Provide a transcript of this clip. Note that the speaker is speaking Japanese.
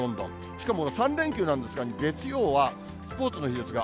しかも３連休なんですが、月曜はスポーツの日ですが、